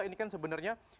ini kan sebenarnya